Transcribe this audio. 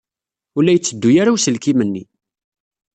Ur la yetteddu ara uselkim-nni.